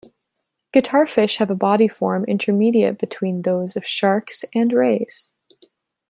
Guitarfish have a body form intermediate between those of sharks and rays.